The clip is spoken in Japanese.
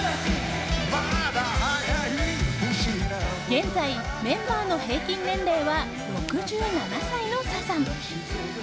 現在、メンバーの平均年齢は６７歳のサザン。